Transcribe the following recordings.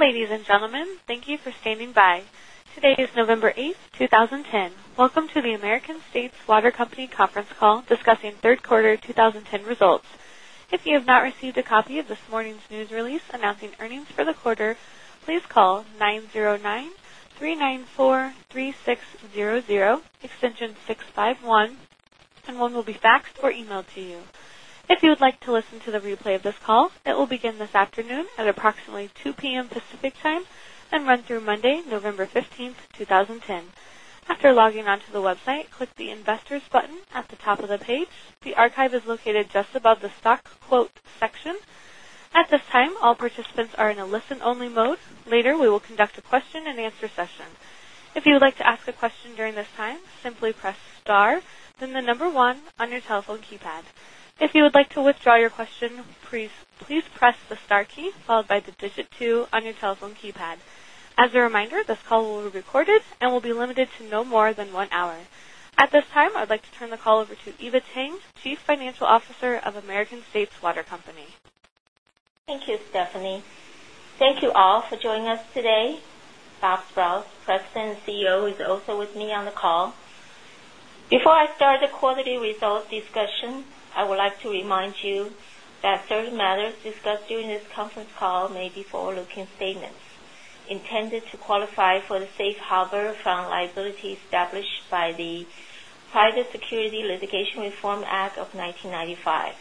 Ladies and gentlemen, thank you for standing by. Today is November 8, 2010. Welcome to the American States Water Company Conference Call discussing 3rd Quarter 2010 Results. If you have not received a copy of this morning's news release announcing earnings for the quarter, please call 909 3943,600, extension 651 and one will be faxed or emailed to you. If you would like to listen to the replay of this call, it will begin this afternoon at approximately 2 p. M. Pacific Time and run through Monday, November 15, 2010. After logging on to the website, click the Investors button at the top of the page. The archive is located just above the Stock Quote section. At this time, all participants are in a listen only mode. Later, we will conduct a question and answer session. As a reminder, this call will be recorded and will be limited to no more than 1 hour. At this time, I'd like to turn the call over to Eva Tang, Chief Financial Officer of American States Water Company. Thank you, Stephanie. Thank you all for joining us today. Bob Sprowls, President and CEO, is also with me on the call. Before I start the quarterly results discussion, I would like to remind you that certain matters discussed during this conference call may be forward looking statements intended to qualify for the safe harbor from liability established by the Private Securities Litigation Reform Act of 1995.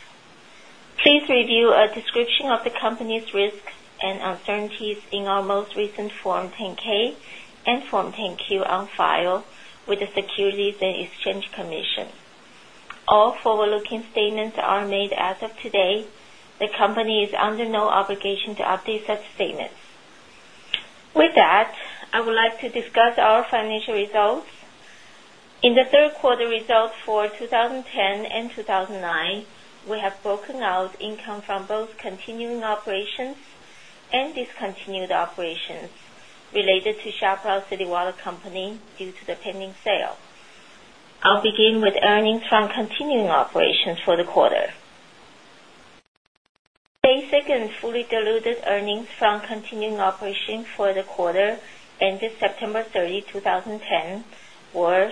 Please review a description of the company's risks and uncertainties in our most recent Form 10 ks and Form 10 Q on file with the Securities and Exchange Commission. All forward looking statements are made as of today. The company is under no obligation to update such statements. With that, I would like to discuss our financial results. In the Q3 results for 20 10,009, we have broken out income from both continuing operations and discontinued operations related to Xiaopra City Water Company due to the pending sale. I'll begin with earnings from continuing operations for the quarter. Basic and fully diluted earnings from continuing operations for the quarter ended September 30, 2010 were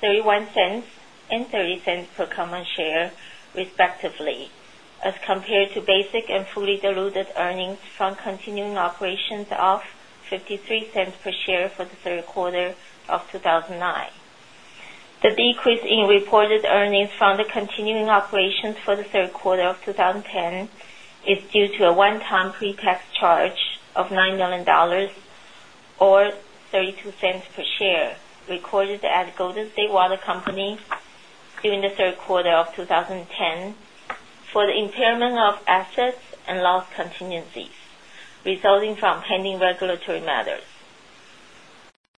0.31 and 0.30 per common share, respectively, as compared to basic and fully diluted earnings from continuing operations of $0.53 per share for the Q3 of 2019. The decrease in reported earnings from the continuing operations for the Q3 of 2010 is due to a one time pre tax charge of $9,000,000 or $0.32 per share recorded at Golden State Water Company during the Q3 of 2010 for the impairment of assets and loss contingencies, resulting from pending regulatory matters.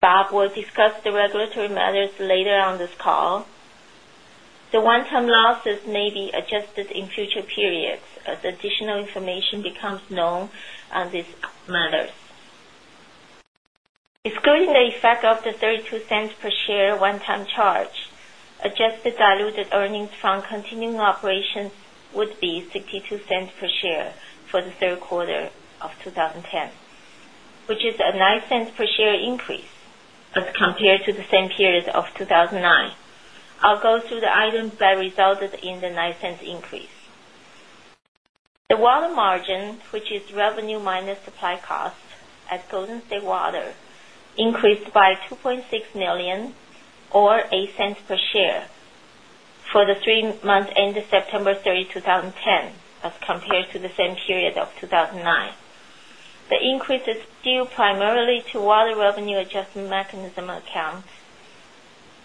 Bob will discuss the regulatory matters later on this call. The one time losses may be adjusted in future periods as additional information becomes known on these matters. Excluding the effect of the $0.32 per share one time charge, adjusted diluted earnings from continuing operations would be $0.62 per share for the Q3 of 2010, which is a $0.09 per share increase as compared to the same period of 2,009. I'll go through the items that resulted in the 0.09 increase. The water margin, which is revenue minus supply cost at Golden State Water increased by 2.6 million or 0.08 per share for the 3 months ended September 30, 2010, as compared to the same period of 2,009. The increase is due primarily to water revenue adjustment mechanism accounts,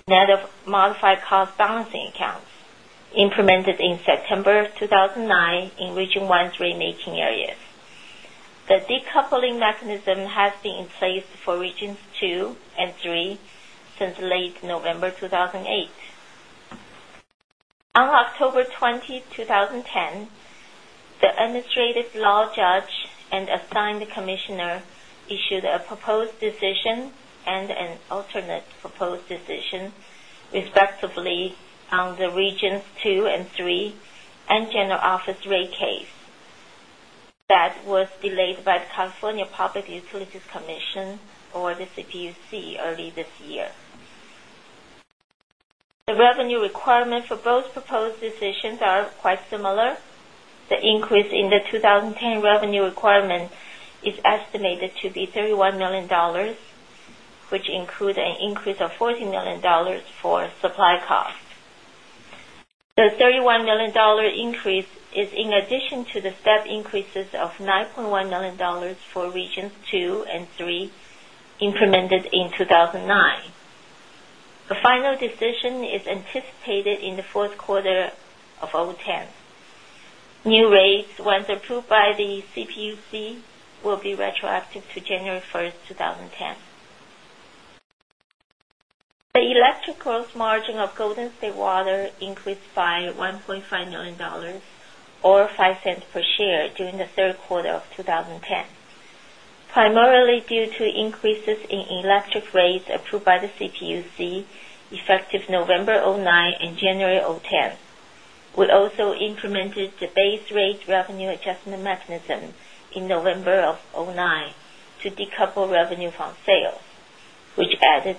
net of modified cost balancing accounts implemented in September of 2009 in Region 1,318 areas. The decoupling mechanism has been in place for Regions 2 and 3 since late November 2008. On October 20, 2010, the administrative law judge and assigned commissioner issued a proposed decision and an alternate proposed decision, respectively, on the Regions 23 and General Office rate case that was delayed by the California Public Utilities Commission or the CPUC early this year. The revenue requirement for both proposed decisions are quite similar. The increase in the 2010 revenue requirement is estimated to be $31,000,000 which include an increase of $40,000,000 for supply costs. The $31,000,000 increase is in addition to the step increases of $9,100,000 for regions 23 implemented in 2009. A final decision is anticipated in the Q4 of 2010. New rates, once approved by the CPUC, will be retroactive to January 1, 2010. The electric gross margin of Golden State Water increased by $1,500,000 $0.05 per share during the Q3 of 2010, primarily due to increases in electric rates approved by the CPUC effective November 'nine and January 'ten. We also implemented the base rate revenue adjustment mechanism in November of 2009 to decouple revenue from sales, which added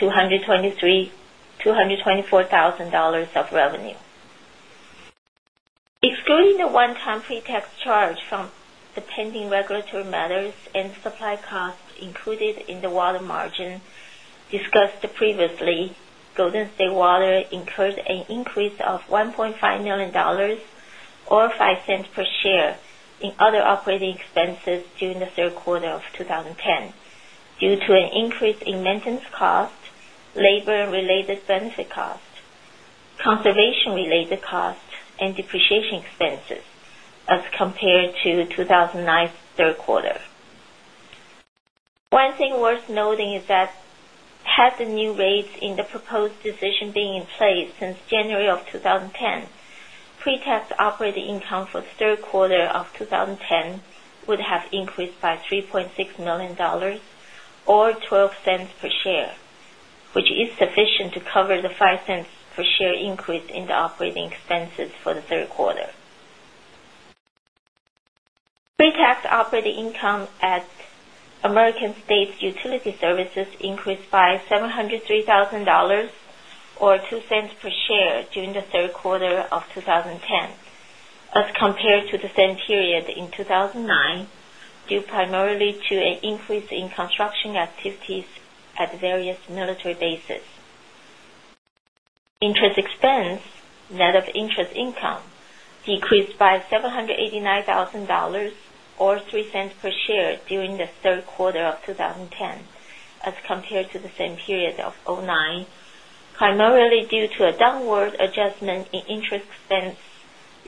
to $224,000 of revenue. Excluding the one time pre tax charge from the pending regulatory matters and supply costs included in the water margin discussed previously, Golden State Water incurred an increase of $1,500,000 or $0.05 per share in other operating expenses during the Q3 of 2010 due to an increase in maintenance costs, labor related benefit costs, conservation related costs and depreciation expenses as compared to 2019 Q3. One thing worth noting is that had the new rates in the proposed decision being in place since January of 2010, pre tax operating income for the Q3 of 2010 would have increased by $3,600,000 or $0.12 per share, which is sufficient to cover the $0.05 per share increase in the operating expenses for the 3rd quarter. Pre tax operating income at American States Utility Services increased by $703,000 or $0.02 per share during the Q3 of 2010 as compared to the same period in 2,009 due primarily to an increase in construction activities at various military bases. Interest expense, net of interest income, decreased by $789,000 or $0.03 per share during the Q3 of 2010 as compared to the same period of 2009, primarily due to a downward adjustment in interest expense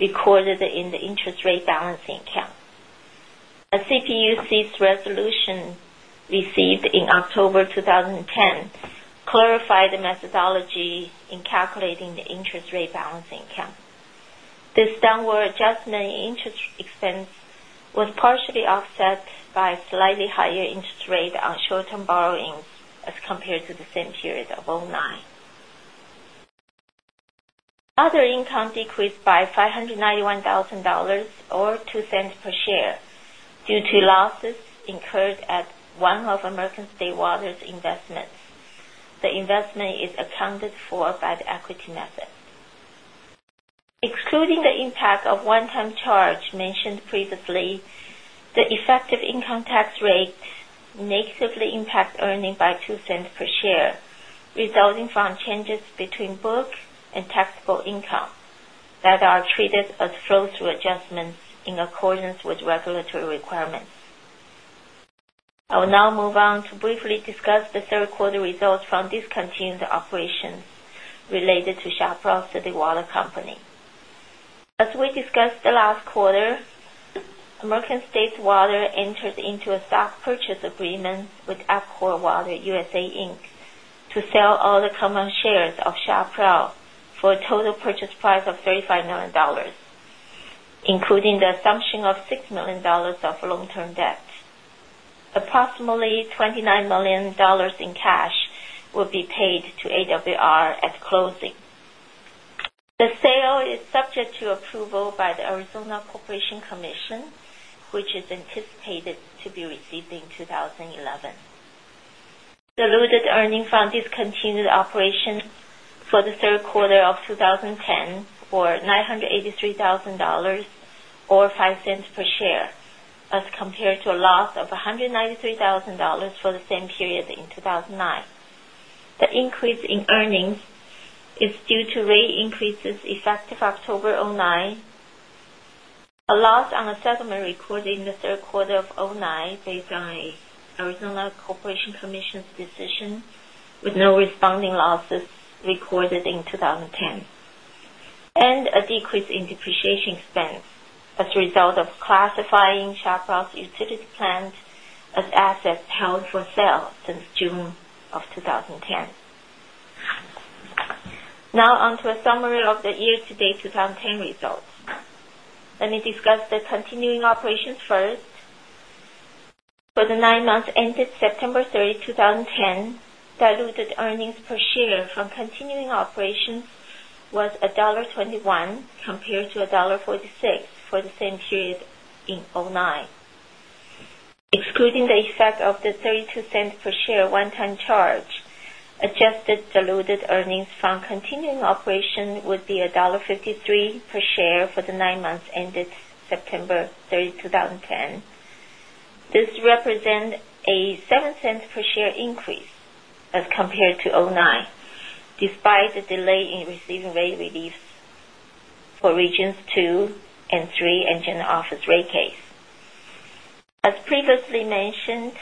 recorded in the interest rate balancing account. A CPUC's resolution received in October 2010 clarified the methodology in calculating the interest rate balance income. This downward adjustment in interest expense was partially offset by slightly higher interest rate on short term borrowings as compared to the same period of 2009. Other income decreased by $591,000 or $0.02 per share due to losses incurred at one of American State Water's investments. The investment is accounted for by the equity method. Excluding the impact of one time charge mentioned previously, the effective income tax rate negatively impact earnings by $0.02 per share, resulting from changes between book and taxable income that are treated as flow through adjustments in accordance with regulatory requirements. I will now move on to briefly discuss the Q3 results from discontinued operations related to Xiaopra City Water Company. As we discussed the last quarter, American States Water entered into a stock purchase agreement with UPCOR Water USA Inc. To sell all the common shares of Xiaoprau for a total purchase price of $35,000,000 including the assumption of 6 $1,000,000 of long term debt. Approximately $29,000,000 in cash will be paid to AWR at closing. The sale is subject to approval by the Arizona Corporation Commission, which is anticipated to be received in 2011. Diluted earnings from discontinued operations for the Q3 of 2010 were $983,000 or $0.05 per share as compared to a loss of $193,000 for the same period in 2,009. The increase in earnings is due to rate increases effective October 2009, a loss on the settlement recorded in the Q3 of 2009 based on Arizona Corporation Commission's decision with no responding losses recorded in 2010 and a decrease in depreciation expense as a result of classifying Chaparral's utility plant as assets held for sale since June of 2010. Now on to a summary of the year to date twenty ten results. Let me discuss the continuing operations first. For the 9 months ended September 30, 2010, diluted earnings per share from continuing operations was $1.21 compared to $1.46 for the same period in 2009. Excluding the effect of the $0.32 per share one time charge, adjusted diluted earnings from continuing operation would be $1.53 per share for the 9 months ended September 30, 2010. This represents a 0.07 per share increase as compared to 2009, despite the delay in receiving rate reliefs for regions 2 and 3 and general office rate case. As previously mentioned,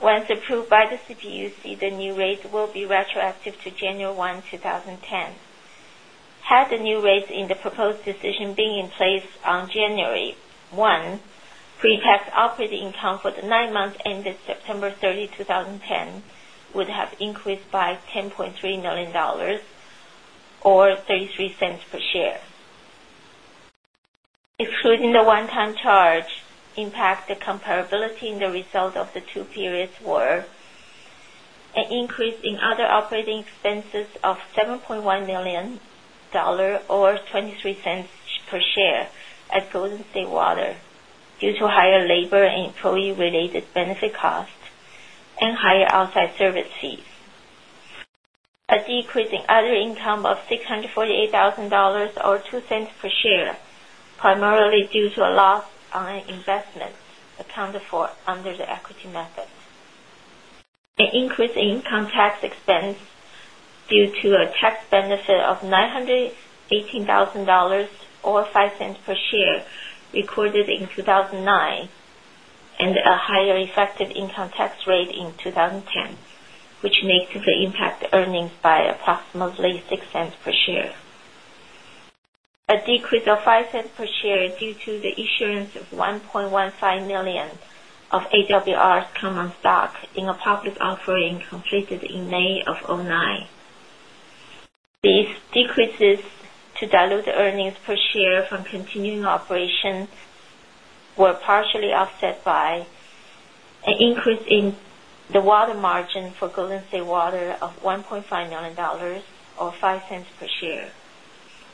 once approved by the CPUC, the new rate will be retroactive to January 1, 2010. Had the new rates in the proposed decision being in place on January, one, pretax operating income for the 9 months ended September 30, 2010 would have increased by $10,300,000 or $0.33 per share. Excluding the one time charge impact the comparability in the result of the two periods were an increase in other operating expenses of $7,100,000 or $0.23 per share at Golden State Water due to higher labor and employee related benefit costs and higher outside service fees. A decrease in other income of $648,000 or $0.02 per share, primarily due to a loss on an investment accounted for under the equity method. The increase in income tax expense due to a tax benefit of 900 and $18,000 or $0.05 per share recorded in 2,009 and a higher effective income tax rate in 2010, which negatively impact earnings by approximately $0.06 per share. A decrease of $0.05 per share due to the issuance of $1,150,000 of AWR's common stock in a public offering completed in May of 'nine. These decreases to diluted earnings per share from continuing operations were partially offset by an increase in the water margin for Golden State Water of $1,500,000 or $0.05 per share,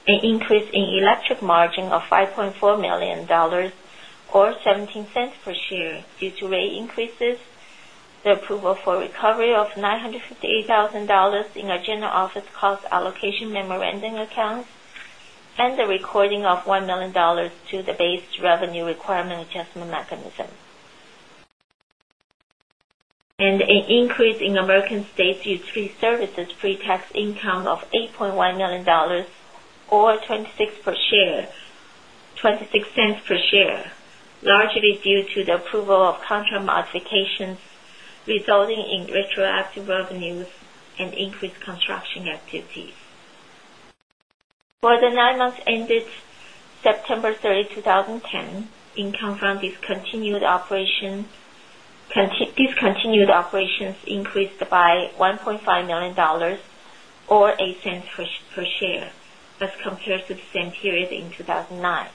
an increase in electric margin of $5,400,000 or $0.17 per share due to rate increases, the approval for recovery of $958,000 in our general office cost allocation memorandum accounts and the recording of $1,000,000 to the base revenue requirement adjustment mechanism. And an increase in American States Utility Services pretax income of $8,100,000 or $0.26 per share, largely due to the approval of contra modifications, resulting in retroactive revenues and increased construction activities. For the 9 months ended September 30, 2010, income from discontinued operations increased by $1,500,000 or $0.08 per share as compared to the same period in 2,009.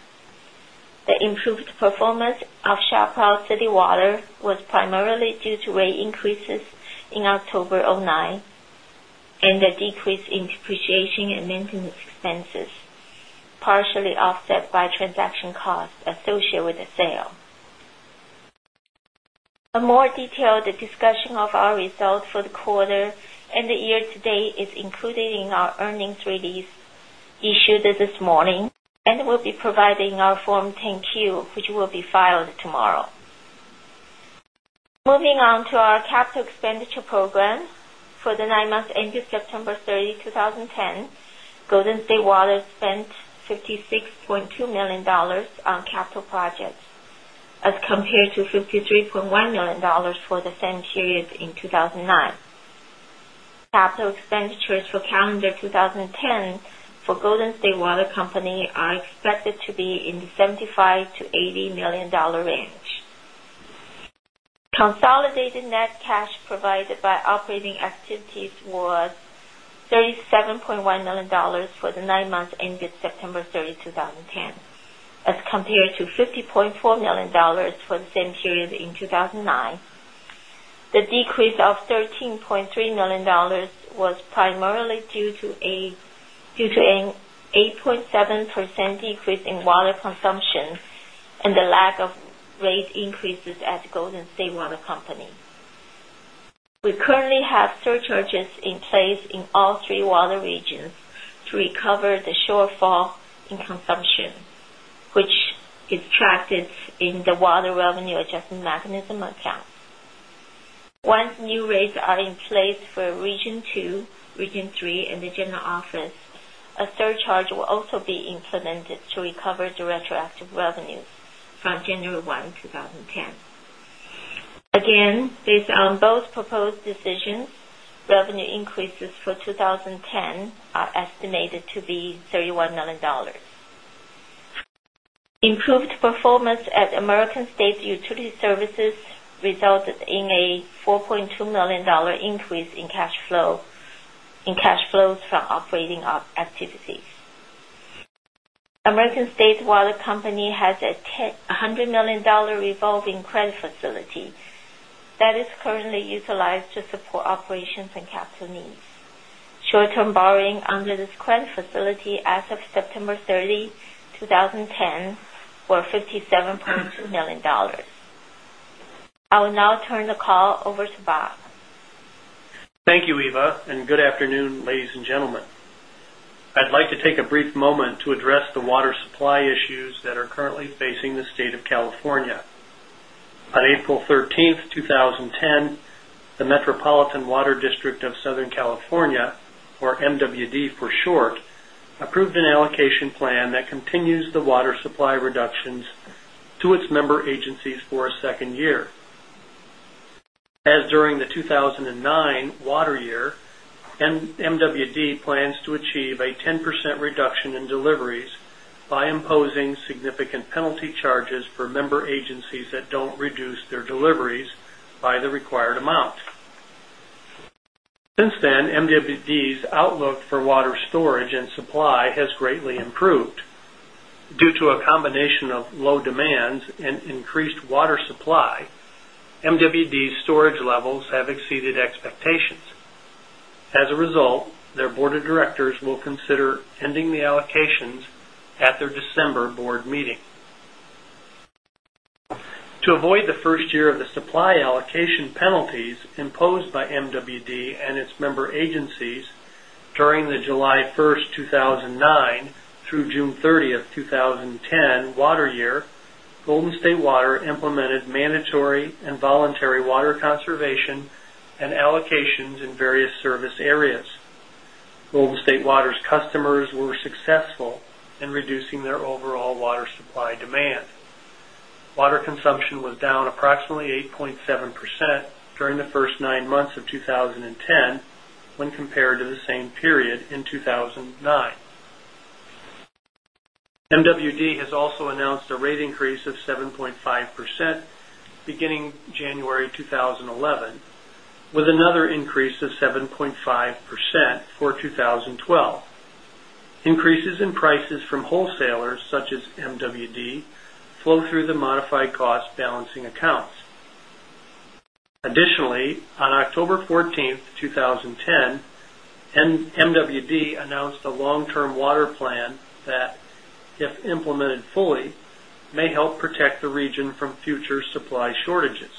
The improved performance of Shar Pao City Water was primarily due to rate increases in October 2009 and a decrease in depreciation and maintenance expenses, partially offset by transaction costs associated with the sale. A more detailed discussion of our results for the quarter and the year to date is included in our earnings release issued this morning, and will be providing our Form 10 Q, which will be filed tomorrow. Moving on to our capital expenditure program. For the 9 months ended September 30, 2010, Golden State Water spent $56,200,000 on capital projects as compared to $53,100,000 for the same period in 2,009. Capital expenditures for calendar 20 10 for Golden State Water Company are expected to be in the $75,000,000 to $80,000,000 range. Consolidated net cash provided by operating activities was $37,100,000 for the 9 months ended September 30, 20 10, as compared to $50,400,000 for the same period in 2,009. The decrease of $13,300,000 was primarily due to an 8.7% decrease in water consumption and the lack of rate increases at Golden State Water Company. We currently have surcharges in place in all three water regions to recover the shortfall in consumption, which is attracted in the water revenue adjustment mechanism account. Once new rates are in place for region 2, region 3 and the general office, a surcharge will also be implemented to recover the retroactive revenues from January 1, 2010. Again, based on both proposed decisions, revenue increases for 20.10 are estimated to be $31,000,000 Improved performance at American States Utility Services resulted in a $4,200,000 increase in cash flows from operating activities. American States Wallet Company has a $100,000,000 revolving credit facility that is currently utilized to support operations and capital needs. Short term borrowing under this current facility as of September 30, 2010 were $57,200,000 I will now turn the call over to Bob. Thank you, Eva, and good afternoon, ladies and gentlemen. I'd like to take a brief moment to address the water supply issues that are currently facing the State of California. On April 13, 2010, the Metropolitan Water District of Southern California or MWD for short, approved an allocation plan that continues the water supply reductions to its member agencies for a 2nd year. As during the 2,009 water year, MWD plans to achieve a 10% reduction in deliveries by imposing significant penalty charges for member agencies that don't reduce their deliveries by the required amount. Since then, MWD's outlook for water storage and supply has greatly improved. Due to a combination of low demands and increased water supply, MWD's storage levels have exceeded expectations. As a result, their Board of Directors will consider ending the allocations at their December Board meeting. To avoid the 1st year of the supply allocation penalties imposed by MWD and its member agencies during the July 1, 2009 through June 30, 2010 water year, Golden State Water implemented mandatory and voluntary water conservation and allocations in various service areas. Global State Water's customers were successful in reducing their overall water supply demand. Water consumption was down approximately 8.7% during the 1st 9 months of 2010 when compared to the same period in 2,009. MWD has also announced a rate increase of 7.5% beginning January 2011 with another increase of 7.5% for 2012. Increases in prices from wholesalers such as MWD flow through the modified cost balancing accounts. Additionally, on October 14, 2010, MWD announced a long term water plan that if implemented fully may help protect the region from future supply shortages.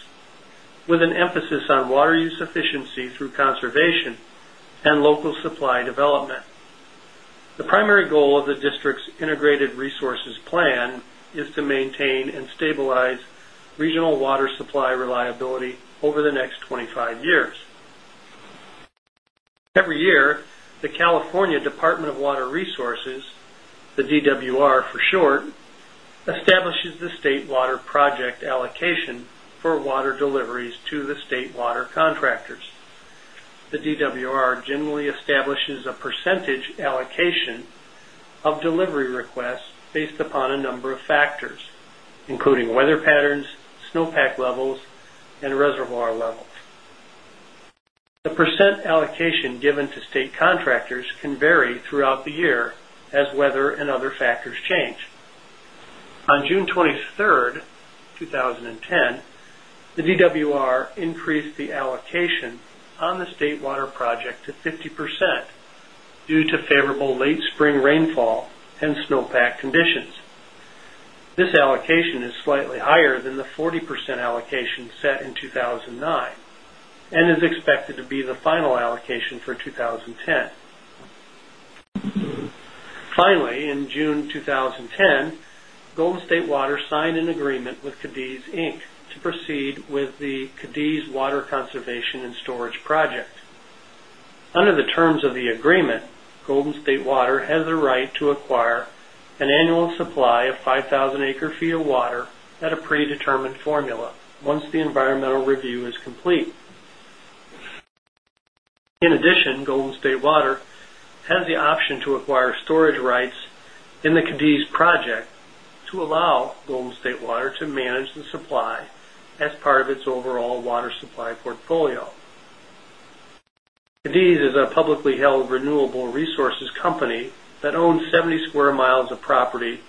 With an emphasis on water use efficiency through conservation and local supply development. The primary goal of the district's integrated resources plan is to maintain and stabilize regional water supply reliability over the next 25 years. Every year, the California Department of Water Resources, the DWR for short, establishes the state water project allocation for water deliveries to the state water contractors. The DWR generally establishes a percentage allocation of delivery requests based upon a number of factors, including weather patterns, snowpack levels and reservoir levels. The percent allocation given to state contractors can vary throughout the year as weather and other factors change. On June 23, 2010, the DWR increased the allocation on the State Water project to 50% due to favorable late spring rainfall and snowpack conditions. This allocation is slightly higher than the 40% allocation set in 2,009 and is expected to be the final allocation for 2010. Finally, in June 2010, Golden State Water signed an agreement with Cadiz Inc. To proceed with the Cadiz Water Conservation and Storage Project. Under the terms of the agreement, Golden State Water has the right to acquire an annual supply of 5,000 acre feet of water at a predetermined formula once the environmental review is complete. In addition, Golden State Water has the option to acquire storage rights in the Cadiz project to allow Golden State Water to manage the supply as part of its overall water supply portfolio. Cadiz is a publicly held renewable resources company that owns 70 square miles of property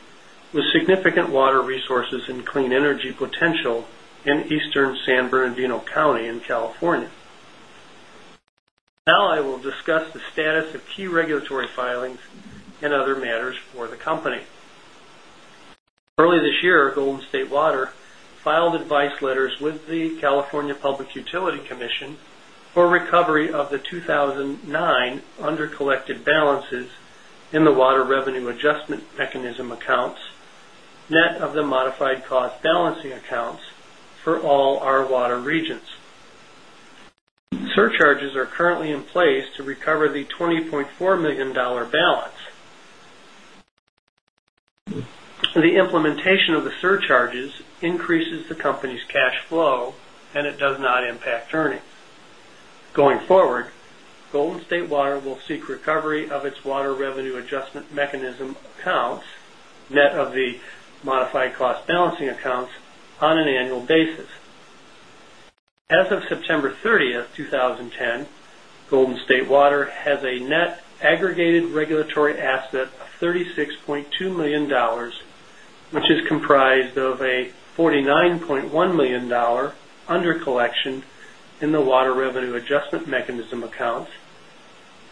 with significant water resources and clean energy potential in Eastern San Bernardino County in California. Now I will discuss the status of key regulatory filings and other matters for the company. Early this year, Golden State Water filed advice letters with the California Public Utility Commission for recovery of the 2,009 under collected balances in the water revenue adjustment mechanism accounts, net of the modified cost balancing accounts for all our water regions. Surcharges are currently in place to recover the $20,400,000 balance. The implementation of the surcharges increases the company's cash flow and it does not impact earnings. Going forward, Golden State Water will seek recovery of its water revenue adjustment mechanism accounts net of the modified cost balancing accounts on an annual basis. As of September 30, 2010, Golden State Water has a net aggregated regulatory asset of $36,200,000 which is comprised of a $49,100,000 under collection in the water revenue adjustment mechanism accounts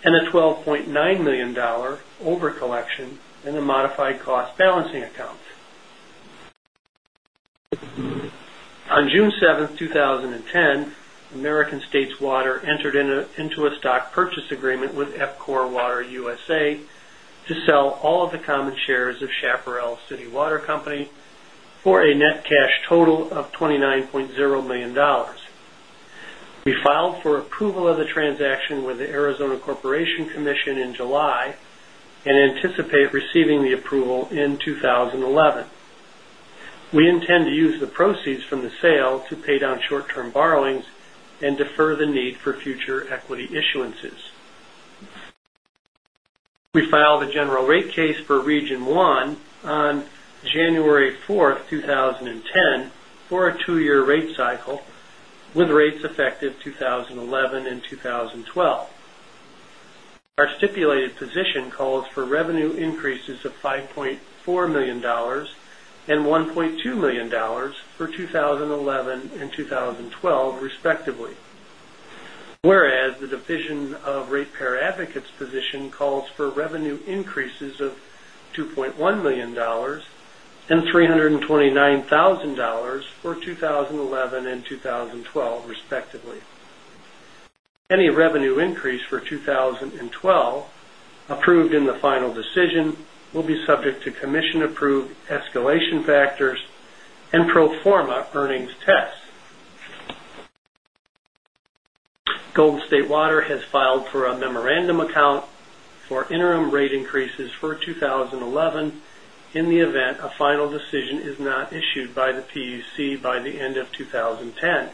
and a $12,900,000 over collection in the modified cost balancing account. On June 7, 2010, American States Water entered into a stock purchase agreement with Epcor Water USA to sell all of the common shares of Chaparral City Water Company for a net cash total of $29,000,000 We filed for approval of the transaction with the Arizona Corporation Commission in July and anticipate receiving the approval in 2011. We intend to use the proceeds from the sale to pay down short term borrowings and defer the need for future equity issuances. We filed a general rate case for Region 1 on January 4, 2010 for a 2 year rate cycle with rates effective 20112012. Our stipulated position calls for revenue increases of 5 point $4,000,000 $1,200,000 for 2011 2012 respectively. Whereas the division of ratepayer advocates position calls for revenue increases of $2,100,000 $329,000 for 20.11 2012 respectively. Any revenue increase for 2012 approved in the final decision will be subject to commission approved escalation factors and pro form a earnings tests. Golden State Water has filed for a memorandum account for interim rate increases for 2011 in the event a final decision is not issued by the PUC by the end of 2010.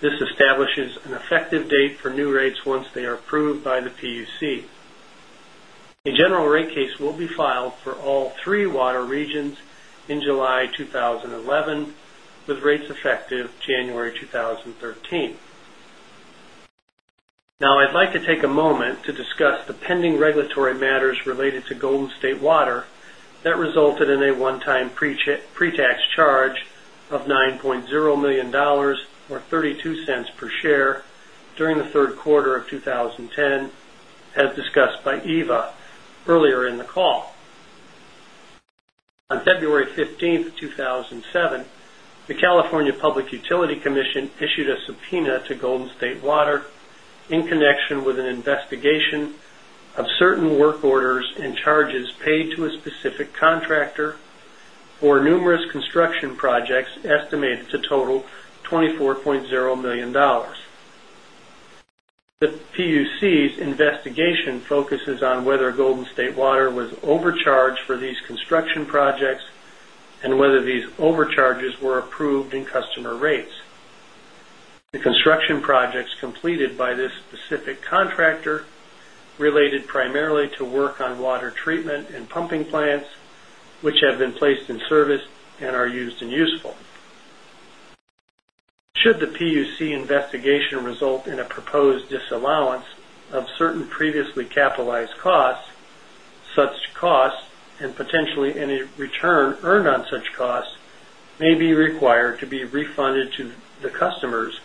This establishes an effective date for new rates once they are approved by the PUC. A general rate case will be filed for all three water regions in July 2011 with rates effective January 2013. Now I'd like to take a moment to discuss the pending regulatory matters related to Golden State Water that resulted in a one time pre tax charge of $9,000,000 or $0.32 per share during the Q3 of 2010 as discussed by Eva earlier in the call. On February 15, 2007, the California Public Utility Commission issued a subpoena to Golden State Water in connection with an investigation of certain work orders and charges paid to a specific contractor or numerous construction projects estimated to total $24,000,000 The PUC's investigation focuses on whether Golden State Water was overcharged for these construction projects and whether these overcharges were approved in customer rates. The construction projects completed by this specific contractor related primarily to work on water treatment and pumping plants, which have been placed in service and are used and useful. Should the PUC investigation result in a proposed disallowance of certain previously capitalized costs, such costs and potentially any return earned on such costs may be required to be refunded to the customers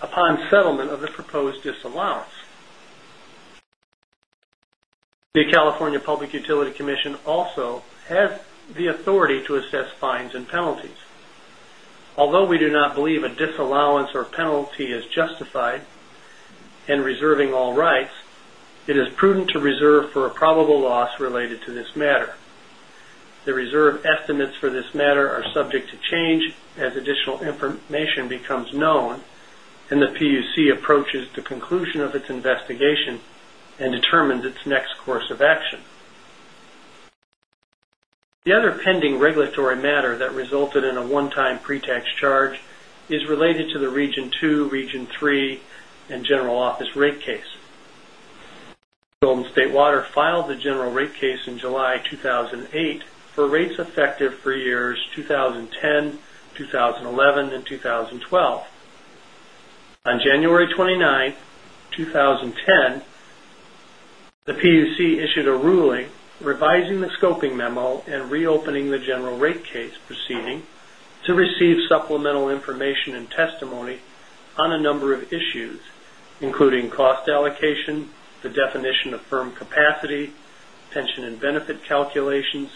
upon settlement of the proposed disallowance. The California Public Utility Commission also has the authority to assess fines and penalties. Although we do not believe a disallowance or penalty is justified and reserving all rights, it is prudent to reserve for a probable loss related to this matter. The reserve estimates for this matter are subject to change as additional information becomes known and the PUC approaches the conclusion of its investigation and determines its next course of action. The other pending regulatory matter that resulted in a one time pre tax charge is related to the Region 2, Region 3 and general office rate case. Golden State Water filed a general rate case in July 2008 for rates effective for years 2010, 2011, 2012. On January 29, 2010, the PUC issued a ruling revising the scoping memo and reopening the general rate case proceeding to receive supplemental information and testimony on a number of issues, including cost allocation, the definition of firm capacity, pension and benefit calculations,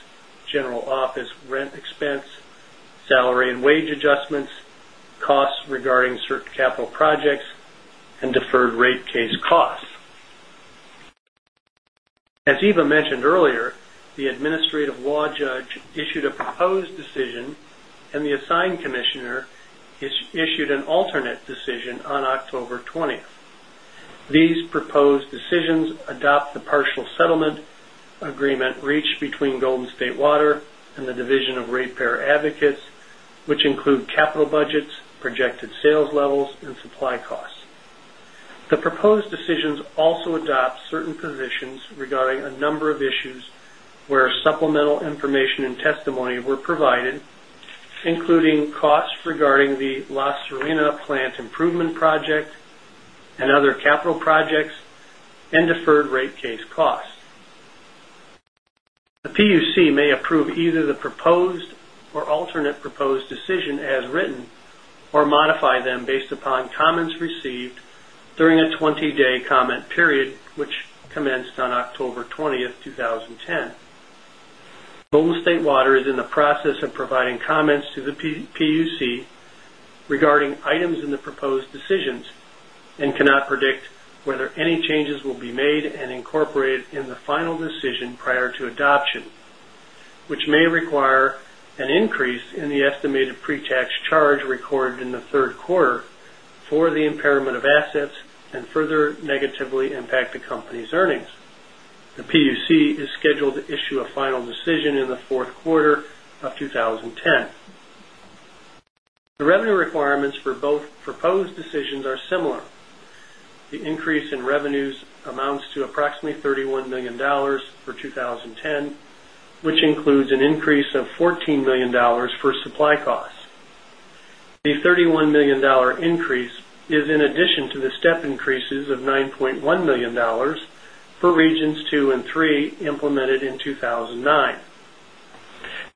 general office rent expense, salary and wage adjustments, costs regarding certain capital projects and deferred rate case costs. As Eva mentioned earlier, the administrative law judge issued a proposed decision and the assigned commissioner issued an alternate decision on October 20. These proposed decisions adopt the partial settlement agreement reached between Golden State Water and the division of ratepayer advocates, which include capital budgets, projected sales levels and supply costs. The proposed decisions also adopt certain positions regarding a number of issues where supplemental information and testimony were provided, including costs regarding the La Serena plant improvement project and other capital projects and deferred rate case costs. The PUC may approve either the proposed or alternate proposed decision as written or modify them based upon comments received during a 20 day comment period, which commenced on October 20, 2010. Mobile State Water is in the process of providing comments to the PUC regarding items in the proposed decisions and cannot predict whether any changes will be made and incorporated in the final decision prior to adoption, which may require an increase in the estimated pre tax charge recorded in the Q3 for the impairment of assets and further negatively impact the company's earnings. The PUC is scheduled to issue a final decision in the Q4 of 2010. The revenue requirements for both proposed decisions are similar. The increase in revenues amounts to approximately $31,000,000 for 20.10, which includes an increase of $14,000,000 for supply costs. The $31,000,000 increase is in addition to the step increases of $9,100,000 for regions 23 implemented in 2,009.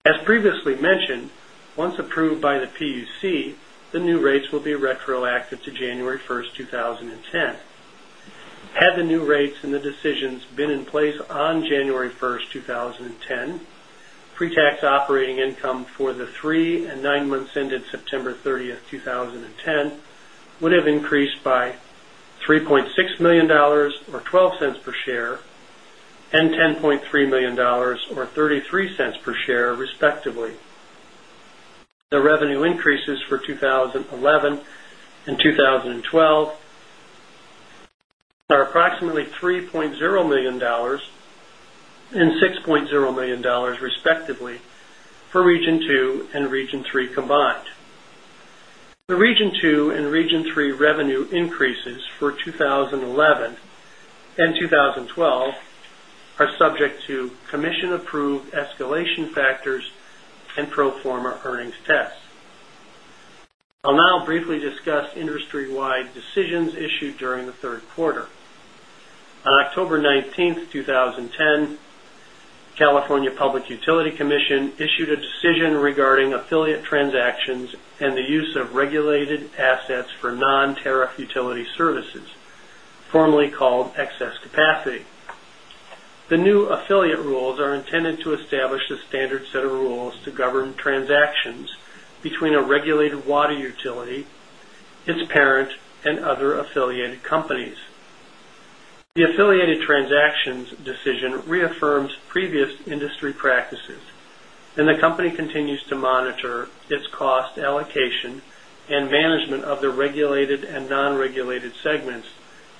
As previously mentioned, once approved by the PUC, the new rates will be retroactive to January 1, 2010. Had the new rates and the decisions been in place on January 1, 2010, pre tax operating income for the 3 9 months ended September 30, 2010 would have increased by $3,600,000 or $0.12 per share and $10,300,000 or $0.33 per share respectively. The revenue increases for 2011 and 2012 are approximately $3,000,000 $6,000,000 respectively for Region 2 and Region 3 combined. The Region 2 and Region 3 revenue increases for 20112012 are subject to commission approved escalation factors and pro form a earnings tests. I'll now briefly discuss industry wide decisions issued during the Q3. On October 19, 2010, California Public Utility Commission issued a decision regarding affiliate transactions and the use of regulated assets for non tariff utility services, formerly called excess capacity. The new affiliate rules are intended to establish a standard set of rules to govern transactions between a regulated water utility, its parent and other affiliated companies. The affiliated transactions decision reaffirms previous industry practices and the company continues to monitor its cost allocation and management of the regulated and non regulated segments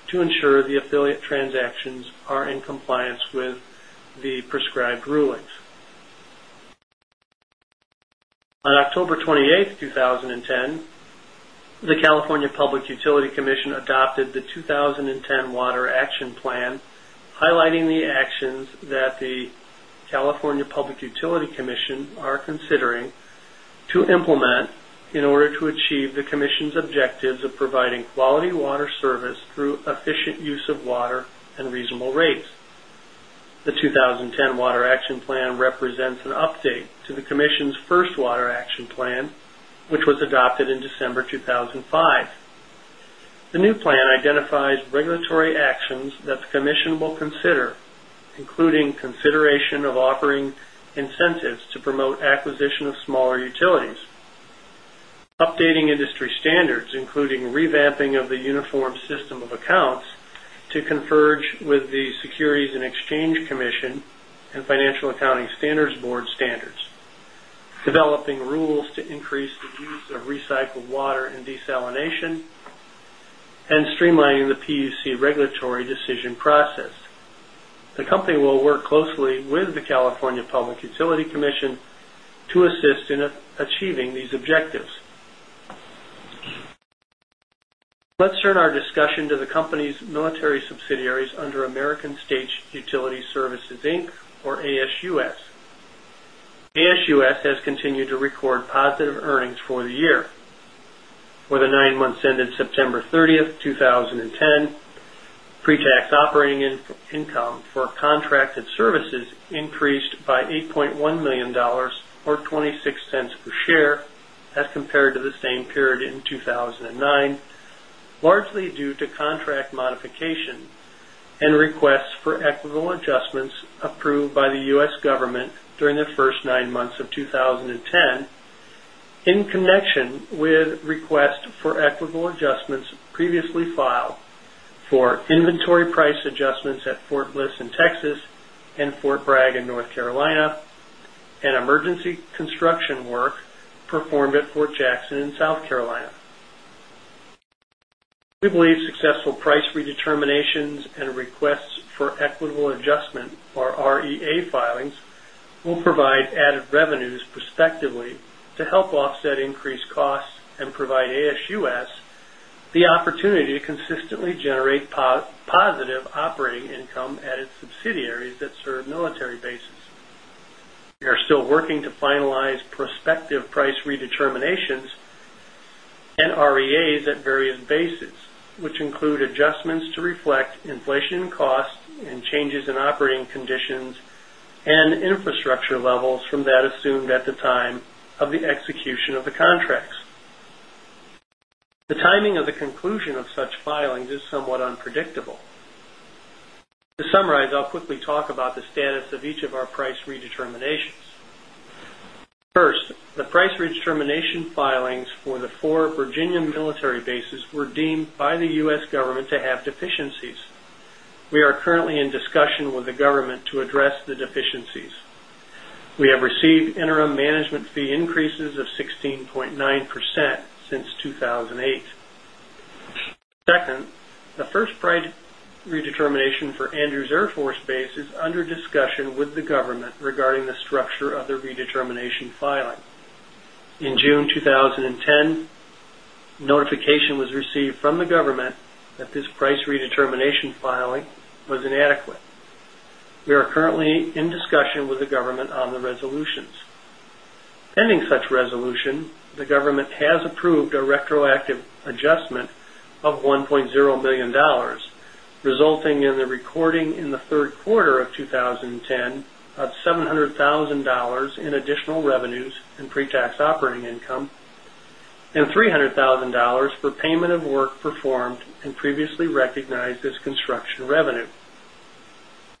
to ensure the affiliate transactions are in compliance with the prescribed rulings. On October 28, 2010, the California Public Utility Commission adopted the 2010 Water Action Plan, highlighting the actions that the California Public Utility Commission are considering to implement in order to achieve the commission's objectives of providing quality water service through efficient use of water and reasonable rates. The 2010 Water Action Plan represents an update to the Commission's first water action plan, which was adopted in December 2005. The new plan identifies regulatory actions that the Commission will consider, including consideration of offering incentives to promote acquisition of smaller utilities, updating industry standards including revamping of the uniform system of accounts to converge with the Securities and Exchange Commission and Financial Accounting Standards Board standards, developing rules to increase the use of recycled water and desalination, and streamlining the PUC regulatory decision process. The company will work closely with the California Public Utility Commission to assist in achieving these objectives. Let's turn our discussion to the company's military subsidiaries under American States Utility Services Inc or ASUS. ASUS has continued to record positive earnings for the year. For the 9 months ended September 30, 2010, pre tax operating income for contracted services increased by $8,100,000 or $0.26 per share as compared to the same period in 2,009, largely due to contract modification and requests for equitable adjustments approved by the U. S. Government during the 1st 9 months of 2010 in connection with request for equitable adjustments previously filed for inventory price adjustments at Fort Bliss in Texas and Fort Bragg in North Carolina and emergency construction work performed at Fort Jackson in South Carolina. We believe successful price redeterminations and requests for equitable adjustment or REA filings will provide added revenues prospectively to help offset increased costs and provide ASUS the opportunity to consistently generate positive operating income at its subsidiaries that serve military bases. We are still working to finalize prospective price redeterminations and REAs at various bases, which include adjustments to reflect inflation costs and changes in operating conditions and infrastructure levels from that assumed at the time of the execution of the contracts. The timing of the conclusion of such filings is somewhat unpredictable. To summarize, I'll quickly talk about the status of each of our price redeterminations. First, the price redetermination filings for the 4 Virginian military bases were deemed by the U. S. Government to have deficiencies. We are currently in discussion with the government to address the deficiencies. We have received interim management fee increases of 16.9% since 2,008. 2nd, the 1st bright redetermination for Andrews Air Force Base is under discussion with the government regarding the structure of the redetermination filing. In June 2010, notification was received from the government that this price redetermination filing was inadequate. We are currently in discussion with the government on the resolutions. Pending such resolution, the government has approved a retroactive adjustment of $1,000,000 resulting in the recording in the Q3 of of work performed and previously recognized as construction revenue.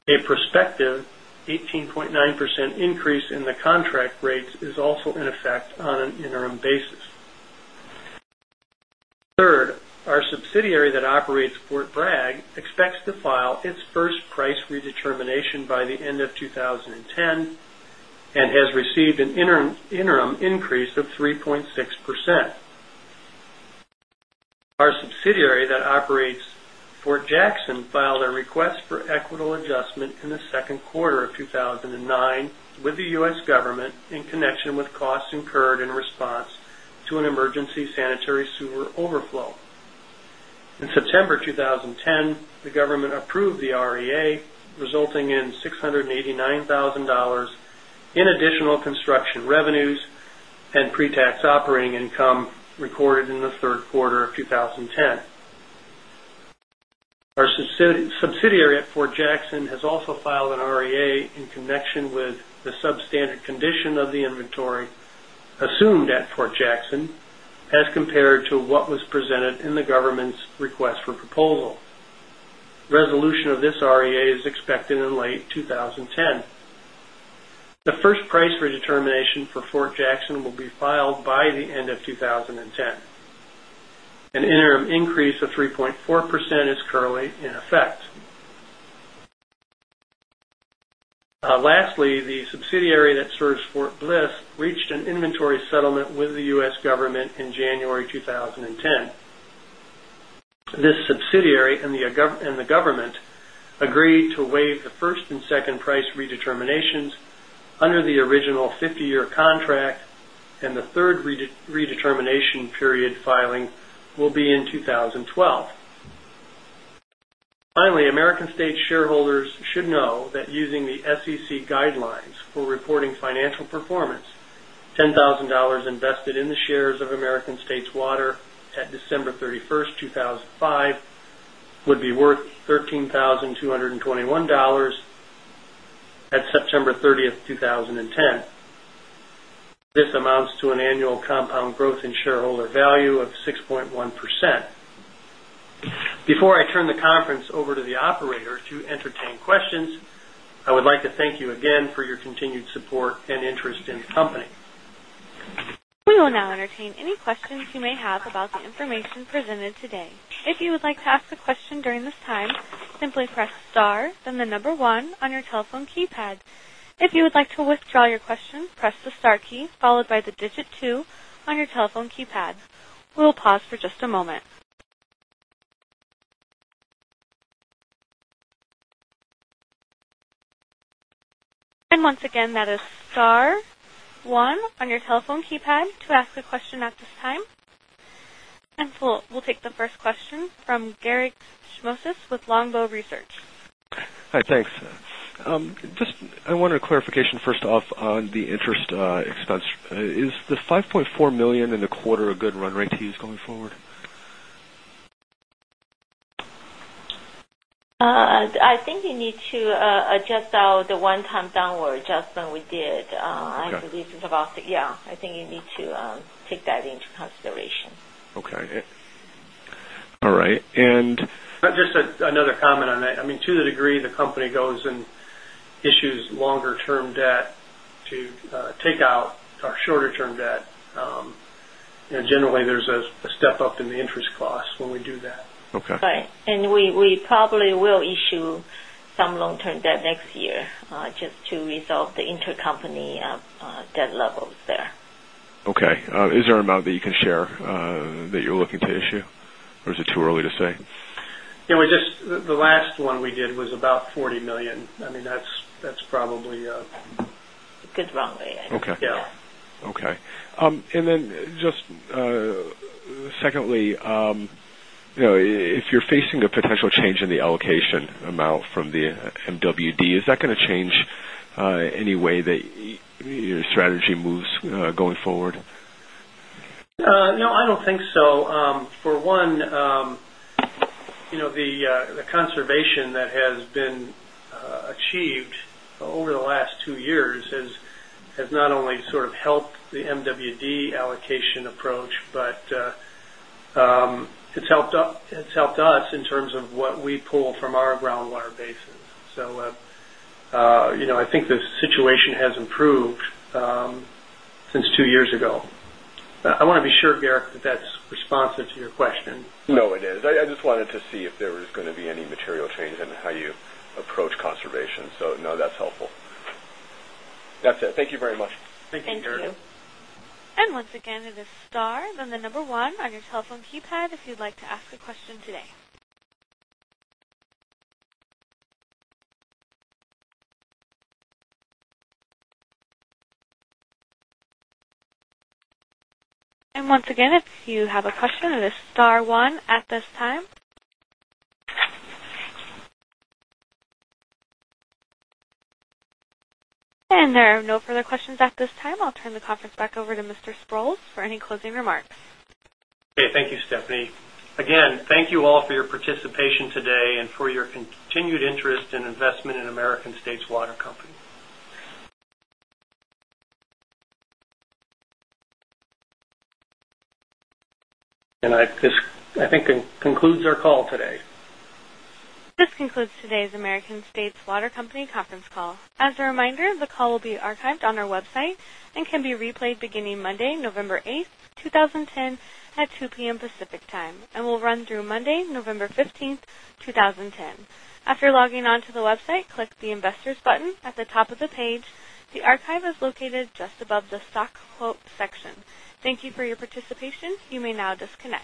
A prospective 18.9% increase in the contract rates is also in effect on an interim basis. 3rd, our subsidiary that operates Port Bragg expects to file its 1st price redetermination by the end of 2010 and has received an interim increase of 3.6 percent. Our subsidiary that operates Fort Jackson filed a request for equitable adjustment in the Q2 of 2009 with the U. S. Government in connection with costs incurred in response to an emergency sanitary sewer overflow. In September 2010, the government approved the REA resulting in $689,000 in additional construction revenues and pre tax operating income recorded in the Q3 of 2010. Our subsidiary at Fort Jackson has also filed an REA in connection with the substandard condition of the inventory assumed at Fort Jackson as compared to what was presented in the government's request for proposal. Resolution of this REA is expected in late 2010. The first price redetermination for Fort Jackson will be filed by the end of 2010. An interim increase of 3.4% is currently in effect. Lastly, the subsidiary that serves Fort Bliss reached an inventory settlement with the U. S. Government in January 2010. This subsidiary and the government agreed to waive the first and second price redeterminations under the original 50 year contract and the 3rd redetermination period filing will be in 2012. Finally, American States shareholders should know that using the SEC guidelines for reporting financial performance, $10,000 invested in the shares of American States Water at December 31, 2005 would be worth $13,221 at September 30, 2010. This amounts to an annual compound growth in shareholder value of 6.1%. Before I turn the conference over to the operator to entertain questions, I would like to thank you again for your continued support and interest in the company. We will now entertain any questions you may have about the information presented today. We'll take the first question from Garik Shmois with Longbow Research. Hi, thanks. Just I wanted a clarification first off on the interest expense. Is the $5,400,000 in the quarter a good run rate to use going forward? I think you need to adjust out the one time downward adjustment we did and to reduce the deposit. Yes, I think you need to take that into consideration. Okay. All right. And Just another comment on that. I mean, to the degree the company goes and issues longer term debt to take out our shorter term debt. Generally, there's a step up in the interest costs when we do that. Okay. Right. And we probably will issue some long term debt next year just to resolve the intercompany debt levels there. Okay. Is there an amount that you can share that you're looking to issue or is it too early to say? Yes, we just the last one we did was about 40,000,000. Dollars I mean that's probably It's wrong way. Okay. And then just secondly, if you're facing a potential change in the allocation amount from the MWD, is that going to change any way that your strategy moves going forward? No, I don't think so. For 1, the conservation that has been achieved over the last 2 years has not only sort of helped the MWD allocation approach, but it's helped us in terms of what we pull from our groundwater basins. So I think the situation has improved since 2 years ago. I want to be sure, Garik, that's responsive to your question. No, it is. I just wanted to see if there was going to be any material change in how you approach conservation. So no, that's helpful. That's it. Thank you very much. Thank you, And there are no further questions at this time. I'll turn the conference back over to Mr. Sproles for any closing remarks. Okay. Thank you, Stephanie. Again, thank you all for your participation today and for your continued interest and investment in American States Water Company. And I think it concludes our call today. Concludes today's American States Water Company conference call. As a reminder, the call will be archived on our website and can be replayed beginning Monday, November 8, 2010 at 2 p. M. Pacific Time and will run through Monday, November 15, 2010. After logging on to the website, click the Investors button at the top of the page. The archive is located just above the Stock Hope section. Thank you for your participation. You may now disconnect.